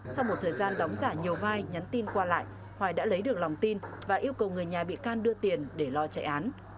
sau một thời gian đóng giả nhiều vai nhắn tin qua lại hoài đã lấy được lòng tin và yêu cầu người nhà bị can đưa tiền để lo chạy án